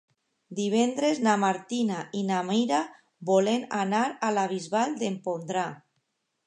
Divendres na Martina i na Mira volen anar a la Bisbal d'Empordà.